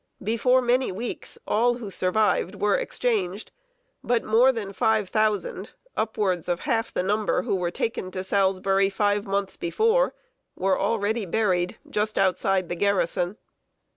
Before many weeks, all who survived were exchanged; but more than five thousand upwards of half the number who were taken to Salisbury five months before were already buried just outside the garrison.